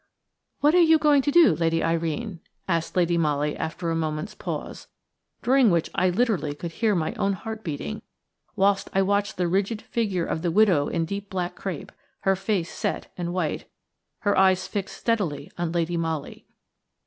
"What are you going to do, Lady Irene?" asked Lady Molly, after a moment's pause, during which I literally could hear my own heart beating, whilst I watched the rigid figure of the widow in deep black crape, her face set and white, her eyes fixed steadily on Lady Molly.